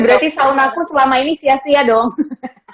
berarti saunaku selama ini sia sia dong